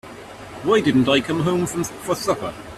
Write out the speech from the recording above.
Why didn't I come home for supper?